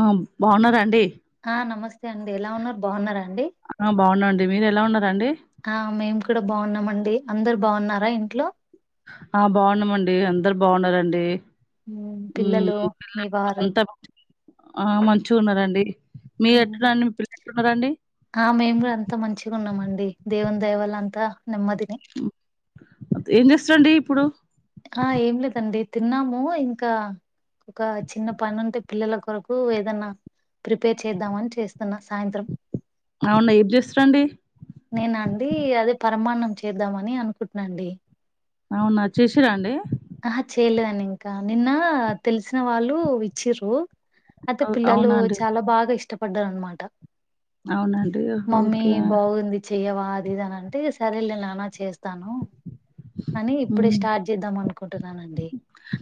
ఆ బాగున్నారండి ఆ నమస్తే అండి ఎలా ఉన్నారు బాగున్నారండి ఆ బాగునండి మీరు ఎలా ఉండ ఆ మేము కూడా బాగున్నామ అండి అందరు బావున్నారా ఇంట్లో ఆ బాగున్నామండి అందరు బాగున్నారండి ఉమ్, పిల్లలు మీ వారు అంత ఆ మంచి ఉన్నారంండి ఆ మేము కూడా అంతా మంచిగా ఉన్నామండి డి దేవుని దయ వల్ల అంత నెమ్మదినే అ ఏం చేస్తురండి ఇప్పుడు ఆ ఏం లేదండి తిన్నాము ఇంకా ఒక చిన్న పని ఉంటే పిల్లల కొరకు ఏదైన్నా ప్రిపేర్ చేద్దామ అని చేస్తున్నా సాయంత్రం అవునా ఏం చేస్తురండి మాణం చేద్దామని అనుకుంటున్నాండి అవునా చేసిరాండి ఆ చేయలేదండి ఇంకా నిన్న తెలిసిన వాళ్ళు ఇచ్చిరు అయితే అవ్ అవునా పిల్లలు చాలా బాగా ఇష్టప పడ్డారన్నమాట అవునండి ఓకే చెయవా అది ఇది అని అంటే సరే నేను నానా చేస్తాను అని ఇప్పుడే హ్మ్. స్టార్ట్ చేద్దాం అనుకుంటున్నానండి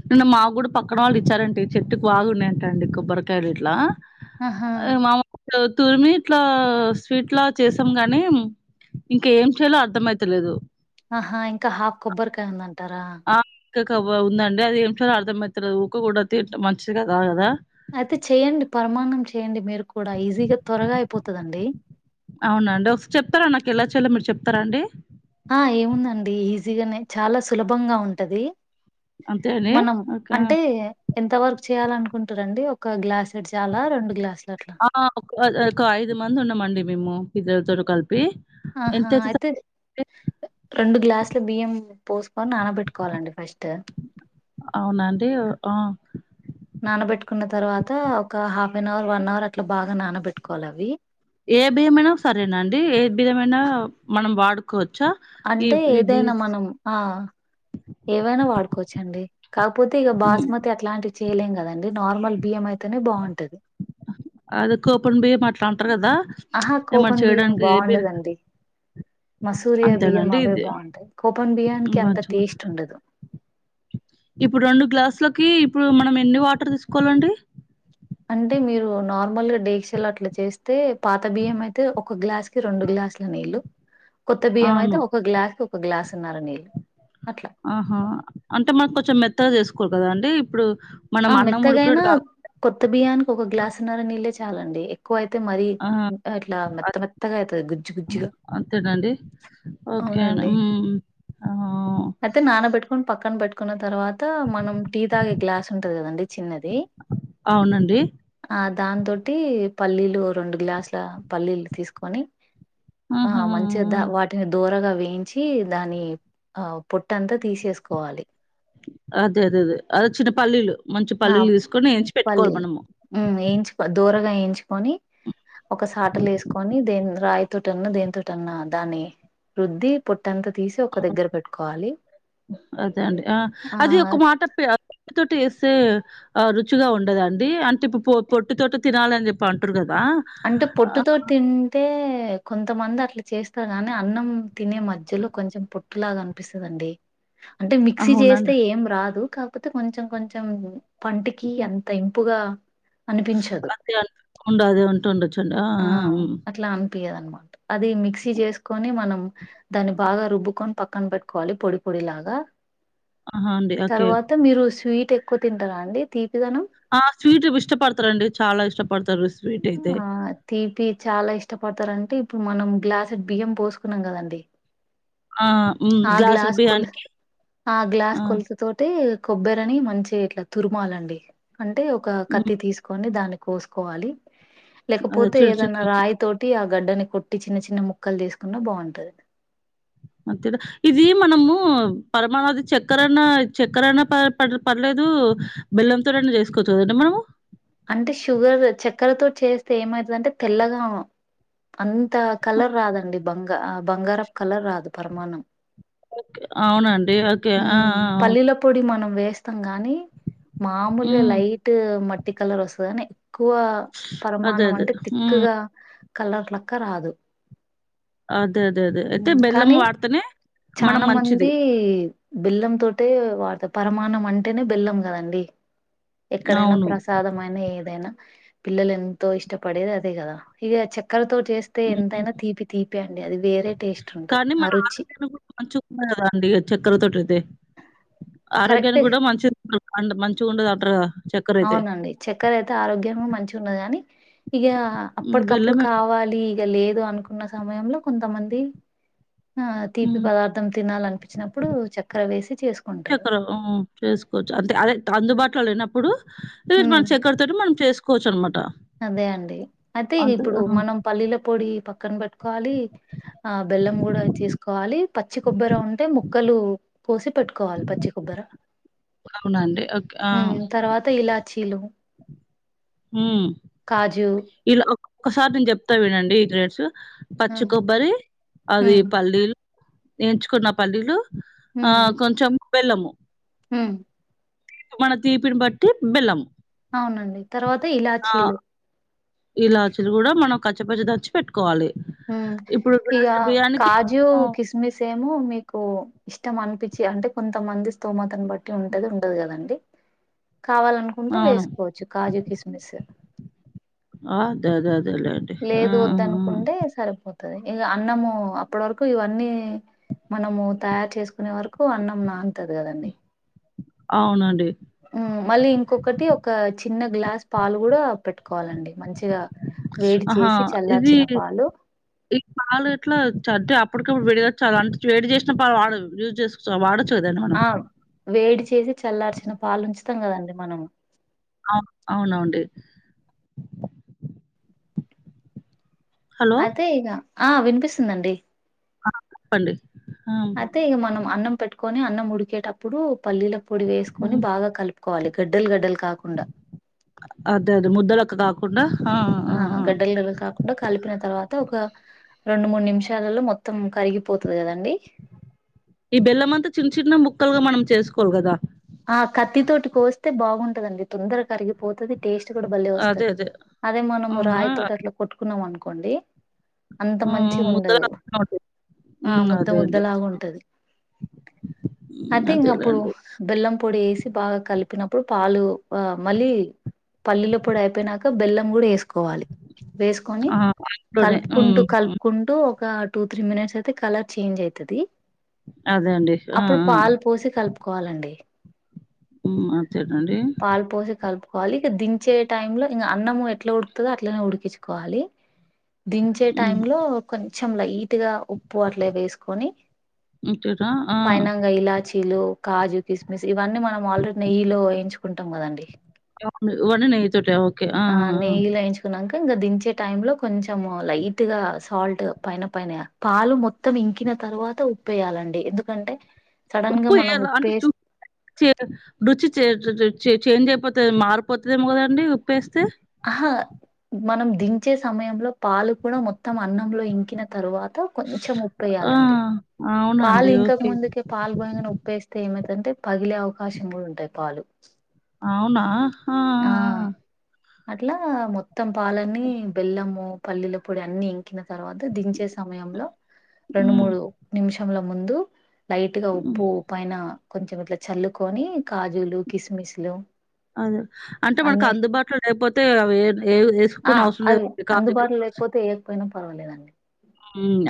నిన్న మాకు కూడా పక్కన వాళ్ళు ఇచ్చారంటే చెట్టుకి బాగున్నాంట అండి కొబ్బరికాయలు ఇట్లా ఆహా అ మామ తురిమి ఇట్లా స్వీట్లా చేసాం గాని ఇంకా ఏం చేయాలో అర్ధం అయితలేదు ఆహా ఇంకా హాఫ కొబ్బరికాయ ఉందండి టారా ఇక్క క ఉందండి అది ఏమి చేయాలో అర్థమ అవుతలేదు ఊక కూడా తింటే మంచిది కదు కదా అయితే చెయండి పరమాణం చేయండి మీరు కూడా ఈజీగా త్వరగా అయిపోతదండి అవునండి ఒకారి చెప్తారా నాకు ఎలా చేయలో మీరు చెప్తారా అండి ఆ ఏముందండి ఈజీగానే చాలా సులభంగా ఉంటది అంతే అని మనం ఓకే అంటే ఎంత వర్క్ చేయాలనుకుంటురండి ఒక గ్లాస్ ఆ ఒక ఒక ఐదు మంది ఉన్నామండి మేము పిల్లలతోటి కలిపి ఆహా ఎంతయితే అయితే రెండు గ్లాసుల బియ్యం పోసుకొని నానబెట్టుకోవాలండి ఫస్ట్ అవునండి ఆ నానబెట్టుకున్న తర్వాత ఒక half an hour one hour అట్లా బాగా నానబెట్టుకోవాలి అవి ఏ బియ్యమైనా సరేనా ఒక అంటే ఏదైనా మనం ఆ ఏవైనా వాడుకోవచ్చండి కాకపోతే ఇక బాస్మతి అట్లాంటి చేయలేం కదండి నార్మల్ బియ్యం అయితేనే బాగుంటది అదికుప్పుం బియ్యం అట్ ఆహా కోపన్ బియ్యం ఏ బియ్యం బాగుండదండి మసూరియా బియ్యం అంతేనండి అవే ఇది బాగుంటాయి కోపన్ బియ్యానికి అంత మంచిగా టేస్ట్ ఉండదు ఇప్పుడు రెండు గ్లాసులకి ఇప్పుడు మనం ఎన్ని వాటర్ తీసుకోవాలండి అంటే మీరు నార్మల్గా డేక్షల్ అట్లా చేస్తే పాత బియ్యం అయితే ఒక గ్లాస్ కి రెండు గ్లాసుల నీళ్ళు కొత్త బియ్యం అవును. అయితే ఒక గ్లాసు ఒక గ్లాసున్నర నీళు ఆహా అంటే మాకు కొంచెం మెత్తగా చేసుకోరు కదండి ఇప్పుడు మనం ఆ అన్నం మెత్తగా ఐనా ఉడికినట్టు కాకుండా కొత్త బియ్యానికి ఒక గ్లాసున్నర నీళ్ళే చాలండి ఎక్కువై తే మరి ఆ! ఇంటా అట్లా మెత్త అద్ మెత్తగా అవుతుంది గుజ్జు గుజ్జుగా అంతేనండి. ఓకే. అవునండి హ్మ్. ఆ! అయితే నాన పెట్టుకని పక్కన పెట్టు కున్న తర్వాత మనం టీ తాగే గ్లాస్ ఉంటంది కదండి చిన్నది అవునండి. దానితోటి పల్లీలు రెండు గ్లాసుల పల్లీలు తీసుకొని ఆ ఆహాహాహా! మంచిగా దా వాటిని దూరగా వేయించి దాని ఆ పొట్టంతా తీసేసుకోవాలి అదే అదే అదే అదే చిన్న పల్లీలు మంచి ఆ పల్లీలు తీసుకొని ఏంచి పెట్టుకోవాలి పల్లీలు మనము. ఊ ఏంచికో దోరగా ఎంచుకొని ఒక సాటలొ హ్మ్. ఏసుకొని దేని రాయి తోటన్నా దేనితోటన్నా దాని రుద్ది పొట్ ట్టంతా తీసి ఒక అవును. దగ్గర పెట్టుకోవాలి అదే ఆ ట్టు తోటి వేస్తే ఆ రుచిగా ఉండదాండి అంటే ఇప్పు పొట్టు తోటి తినాలిని చెప్పి అంటుర్రు కదా అంటే పొట్టుతో తింటే కొంతమంది అట్లా చేస్తారు గానీ అన్నం తినే మధ్యలో కొంచెం పొట్టులాగా అన్పిస్తదండి అంటే మిక్సీ చేస్తే అవునండి. ఏం రాదు కాకపోతే కొంచెం కొంచెం పంటికి అంత ఇం పుగా [inaudible] అదే ఉంటుడచ్చు డ ఆ ఆ ఉమ్ పియ్యదనమాట అది మిక్సీ చేసుకొని మనం దాన్ని బాగా రుబ్బుకొని పక్కన పెట్టుకోవాలి పొడి పొడిలాగా ఆహా! అండి. ఓకే. తర్వాత మీరు స్వీట్ తక్కువ తింటదా అండి తీ ఆ స్వీట్ ఇష్టపడతారండి చాలా ఇష్టపడతారు స్వీటయితే. ఆ తీపి చాలా ఇష్టపోతారంటి ఇప్పు మనం గ్లాస్ బియ్యం పోసుకున్నాం కదండి ఆ! హ్మ్. ఆ గ్లాసుడు గ్లాస్ కొల్ బియ్యానికి ఆ గ్లాస్ కొలత తోటి కొబ్బరని మంచిగా ఇట్లా తురుమాలండి. అంటే ఒక హ్మ్. కత్తి తీసుకొని దాని కోసుకోవాలి అదే లేకపోతే చిన్న చిన్న ఏదైనా ముక్కలు రాయి తోటి గడ్డని కొట్టి చిన్న చిన్న ముక్కలు తీసుకున్న బాగుంటది. అంతేద ఇది మనము పరమాణవది చక్కరనా చక్కర అనా ప ప పర్లేదు బెల్లంతో నైనా చేసుకోవచ్చు కదండి మనము అంటే షుగర్ చక్కెరతో చేస్తే ఏమైతుందంటే తెల్లగా అంతా హ్మ్. కలర్ రాదండి బంగ బంగారపు కలర్ రాదు పరమాన్నం. అవునన్ ఉ పల్లీల పొడి మనం వేస్తాం గానీ మామూలుగా హ్మ్. లైట్ మ ట్టి కలర్ వస్తదని ఎక్కువ అదే. పరమాన్నం అదే. అంటే హ్మ్. తిక్కుగా కలర్ లెక్క రాదు. అ కానీ మనకు చానా మంచిది. మంది బెల్లం తోటే వాడతాం పరమాన్నం అంటేనే బెల్లం కదండి. ఎక్కడైనా అవును. ప్రసాదమైన ఏదైనా పిల్లలు ఎంతో ఇష్టపడేది అదే కదా ఇగ చక్కెర తోటి చేస్తే హ్మ్. ఎంతైనా తీపి తీపి అండి అది వేరే టేస్ట్ ఉంటది కానీ ఆ మన రుచి ఆరోగ్యం కూడా మంచి కాదా అండి ఇగా చక్కర తోటి అయితే ఆరోగ్యానికి కరెక్టే కూడా మంచిది. అండ్ మంచిగా ఉండదంటరు కదా అవునండి చక్కర అయితే ఆరోగ్యం మంచిగ ఉండది కాని ఇగ హ్మ్. అప్పటికప్పుడు బెల్లమే కావాలి ఇగ లేదు అనుకున్న సమయంలో కొంతమంది ఆ తీపి హ్మ్. పదార్థం తినాలనిపించినప్పుడు చక్క ర వేసి చేసు చక్కర ఆమ్ చేసుకోవచ్చు అంతే అదే అందుబాటులో లేనప్పుడు ఈ మన హ్మ్ చక్కర తోటి మనం చేసు కోవచ్చు అనమా అదే అండి అయితే ఇప్పుడు హ్మ్. మనం పల్లీల పొడి పక్కన పెట్టుకోవాలి, ఆ బెల్లం కూడా తిసుకోవాలి, పచ్చి కొబ్బర ఉంటే ముక్కలు కోసి పెట్టుకోవాలి పచ్చి కొబ్బరా అవునండి. ఓకే. ఆ! హమ్ తర్వాత ఇలాచీలు హమ్ కాజు ఇలా ఒక ఒకసారి నేను చెప్తా వినండి ఈ గ్రేడ్స్ ఆ పచ్చి కొబ్బరి అది హ్మ్ పల్లీలు ఎంచుకున్న పల్లీలు ఆ కొంచం బెల్లము హమ్ మన తీపిని పట్టి బెల్లము అవునండి తర్వాత ఆ! ఇలాచీలు ఇలాచీలు కూడా మనం కచ్చ పచ్చి దంచి పెట్టుకో హమ్ ఇగ బియ్యానికి కాజు మనం కిస్మిస్ ఏమో మీకు ఇష్టం అనిపించి అంటే కొంతమంది స్తోమతను బట్ అ ఉంటది ఉంటది కదండి కావాలనుకుంటే అవును వేసుకోవచ్చు కాజు కిసుమిస్ అదే అదే అదే లేదు వద్దనుకుంటే సరిపోతుంది ఇక అన్నము అప్పటి వరకు ఇవన్నీ మనము తయారు చేసుకునే వరకు అన్నం నా అది కదండి అవునండి మళ్ళీ ఇంకొకటి ఒక చిన్న గ్లాస్ పాలు కూడా పెట్టుకోవాలండి మంచిగా వేడి ఆహా చేసి ఇది చల్లార్చిన పాలు ఈ కాలు ఎట్లా చద్దే అప్పుడు ప్పుడు విడిగొచ్చాలి అంటే వడి చేసినప్పుడు వాడు యూస్ చేసుకో వాడు ఆ వేడి చేసి చల్లార్చిన పాలు ఉంచుతాం కదండి మనం ఆ అవునవుండి అదే ఈకా ఆ వినిపిస్తుందండి చెప్పండి ఆ! అయితే ఇక మనం అన్నం పెట్టుకొని అన్నం ముడికేటప్పుడు పల్లీల పొడి వేసుకొని హ్మ్. బాగా కలుపు కోాలి గడ్డల్ గడ్డల్ అదే అదే ముదలక్క కాకు ఆ గడ్డలు గలు కాకుండా కలిపిన తర్వాత ఒక రెండు మూడు నిమిషాలలో మొత్తం కరిగిపోతుంది కదండి ఈ బెల్లంమంతా చిన్న చిన్న ముక్కలుగా మనం చేసుకోవాలి కదా ఆ కత్తి తోటి కోస్తే బాగుంటదండి తొందరగా కరిగిపోతుది టేస్ట్ కూడా బళ్లే అదే వస్తుది అదే. అదే మనం అవునా? రాయి ఆ! తోటి అట్లా కొట్టు కున్నాం అనుకోండి అంత ఆ! మంచి ఉండదు ముద్దలా అవును. ఆ హ్మ్. ముద్ద అదే. ముద్దలాగా ఉంటది ఐ హ్మ్. థింక్ అప్పుడు అదేలెండి. బెల్లం పొడి వేసి బాగా కలిపినప్పుడు పాలు మళ్ళీ పల్లీలో పొడి అయిపోయినాక బెల్లం కూడా వేసుకోవాలి వేసుకొని ఆ! అందులోనే. కలుపుకుంటూ హ్మ్. హ్మ్. కలుపుకుంటూ ఒక టూ త్రీ మినిట్స్ అయితే కలర్ చేంజ్ అవుతది అదే అండి. ఆ! అప్పుడు ఆ! పాలు పోసి కలుపుకోవాలండి ఉ అ పాలు పోసి కలుపు వాలి ఇక దించే టై లో ఇంకా అన్నము ఎట్లా ఉడుకుతుందో అట్లనే ఉడికించుకోవాలి దించే టై హ్మ్. లో కొన్ని కొంచెం లైట్ గట్టిగా ఉప్పు అట్లే వేసుకొని అంతేనా? ఆ! ఫైనల్ గా ఇలాచీలు కాజు కిస్మిస్ ఇవీ మనం ఆల్రెడీ నెయ్యిలో వేయించు కుంటాం కదండి ఉన్న నెయ్యితోటే ఓకే ఆ ఆ నెయ్యిలో ఎయించుకున్నాక ఇంకా దించే టై లో కొంచెం లైట్ గా సాల్ట్ పైన పైన పాలు మొత్తం ఇంకిన తర్వాత ఉప్పేయాలండి ఎందుకంటే సడన్ గా ఉప్పు మనం ఏలా అంటే ఉప్పేస్ చ రుచి చే చేంజ్ అయిపోతుంది మారిపోతుదేో కదండి ఉప్పేస్ హ మనం దించే సమయంలో పాలు కూడా మొత్తం అన్నంలో ఇంకిన తరువాత కొంచెం ఉప్పు ఆ! వేయాలండి అవునా పాలు అండి? ఇంకక ఓకే. ముందుకే పాలు పొంగగానే గానే ఊపేస్తే ఏమై దంటే పగిలే అవకాశం కూడా ఉంటాయి పాలు అవునా ఆ అట్లా మొ మొత్తం పాలు అన్ని బెల్లము పల్లీల పొడి అన్ని కి తర్వాత దించే సమయంలో ఆ! రెండు హ్మ్. మూడు నిషము ల ముందు లైట్ గా హ్మ్. ఉప్పు పైన కొంచం ఇట్లా చల్లుకొని కాజులు కిస్మిస్లు అదే అంటే మనకు అన్ని అందుబాటులో లేకపోతే అవి ఆ ఏసుకోనవసరం అవి లేదు లే కాజ అందుబాటులో లేకపోతే వేయకపోయినా పర్వాలేదండి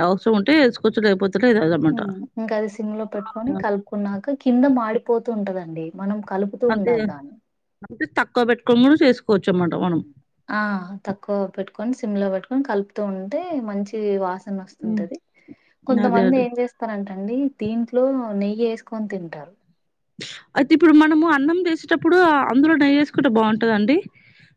అవసరం ఉంటే వేసుకోవచ్చు లేకపోతే లేదనమాట. ఇంకా అది సింగలో ఆ! పెట్టుకొని కలుపుకున్నాక కింద మాడి పోతుంటుదండి అంతేగాని అంతే తక్కువ పెట్టుకోముడు చేసుకు కూర్చుమ్మాటం మనం ఆ తక్కువ పెట్టుకొని సిమ్ లో పెట్టుకొని కలుపుతూ ఉంటే మంచి వాస ఉమ్ వస్తుంది కొంత అదే మంది అదే ఏం చేస్తారంటే ండి దీంట్లో నెయ్యి వేసుకొని తింటారు అయితే ఇప్పుడు మనము అన్నం తీసేటప్పుడు అందులో నెయ్యి వేసుకుంటే బాగుంటదండి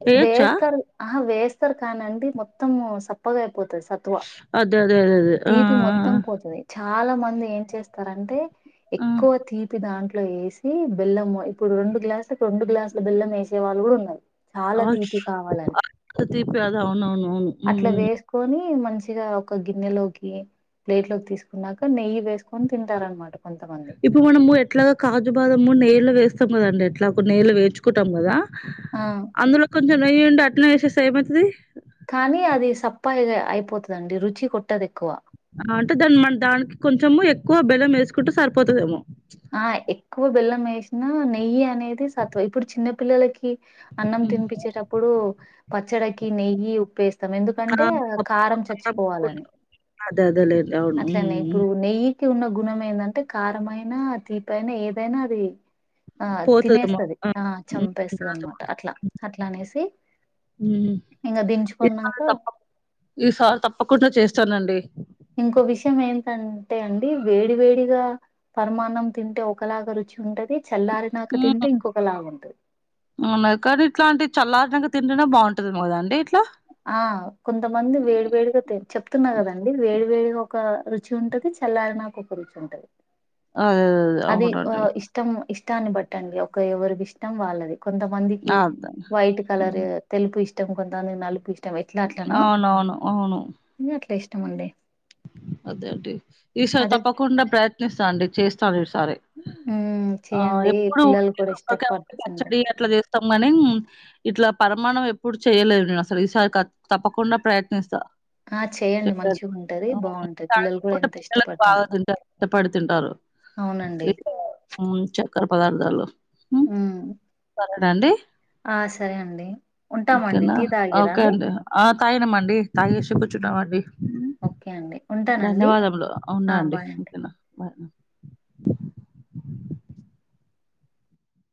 వేయొచ్చా వేస్తారు ఆహా వేస్త సార్ కానండి మొత్తము సప్పగా అయిపోతది సత్వ అదేదేదేదే తీపి మొత్తం పోతది చాలా మంది ఏం చేస్తారంటే ఆ ఆ! ఎక్కువ తీపి దాంట్లో ఇట్లో వేసి బెల్లం ఇప్పుడు రెండు గ్లాసులకు రెండు గ్లాసుల బెల్లం వేసే వాళ్ళు కూడా ఉన్నారు చాలా అవుచ్ తీపి కావాలని [unintelligible] తీపి అద అవునవును హమ్ సిగా ఒక గిన్నె లో ప్లేట్ లోకి తీసుకున్నాక నెయి ఇప్పుడు మనము ఎట్లాగో కాజు బాదము నే నలు వేస్తోంది అండి ఎట్లా కొ నేళ్లు వేయించుకొంటాము కదా ఆ అందులోకి కొంచెం నేయుండ అట్లే వేసేస్తే ఏమవుతాధీ కానీ అది సప్ప అయి అయిపోతుందండి రుచి కొట్టదు ఎక్కువ అంటే దాని మన దానికి కొంచెము ఎక్కువ బెలం వేసుకుంటే సరిపోతాదేమో ఆ ఎక్కువ బెల్లం వేసి నా నెయ్యి అనేది సత్వ ఇప్పుడు చిన్న పిల్లలకి అన్నం హ్మ్. తినిపించేటప్పుడూ పచ్చడకి నెయ్యి ఉప్పేస్ ఎస్తాం ఆ ఎందుకంటే పప్పు కారం చచ్చిపోవాలని అదే అదే లే అట్లనే ఎక్కువ నెయ్యి కి ఉన్న గుణం ఎందంటే కారమైనా తీపైనా ఏదైనా అది ఆ పోతదేమో. తినేస్తది ఆ హ్మ్. చంపేస్తది నాతో అనమాట పాటు. అట్లా అట్లా అనేసి హ్మ్. ఇంగ దించుకున్నాంక, ఈసారి తనండీ ఇంకో విషయం ఏంటంటే అండి వేడి వేడిగా పరమాన్నం తింటే ఒకలాగా రుచి ఉంటది. చల్లారినాకా హ్మ్. తింటే ఇంకొక లాగ ఉంటది రినంక తింటేనే బాగుంటంది కదా అండి ఇట్లా ఆ కొంతమంది వేడి వేడిగా చెప్తున్నా కదండి వేడి వేడిగా ఒక రుచి ఉంటది చల్లారి నాక ఒక రుచి ఉంటది. అదే అదదే అవునండి టాన్ని బట్టండి ఒక ఎవరి ఇష్టం వాళ్ళది కొంతమందికి అదే. వైట్ కలర్ తెలుపు ఇష్ టం కొంత మంది నలుపు ఇష్ అవున్ అవును అవును టమండి అదే అండి ఈసారి తప్పకుండా ప్రయత్నిస్తా అండి చేసి చదివిస్ మ్మ్ ఆ చేయండి ఎప్పుడూ పిల్లలు ఉట్టి కూడా కొబ్బరికాయ ఇష్టపడుతుంటారు పచ్చడి అట్లా చేసు తం కానీ ఇట్లా పరమాణం ఎప్పుడు చేయలేదు, నేను అసలు ఈసారి తప్పకుండా ప్రయత్నిస్తా. ఆ చేయండి మంచిగా ఉంటది బాగుంటద్ రాత్రి పూట పిల్లలకు బాగాదుంటాద్ పడితింటారు అవునండి కర పదార్థాలు హుమ్ సరేనా అండి ఆ సరే అండి ఉంటామండి టీ తాగిరా అండి తాగినామండి తాగేసి కూర్చున్నాం అండి ఓకే అండి ఉంటానండి ధన్యవాదములు, ఆ అవునా అండి బాయ్ ఓకేనా బాయ్.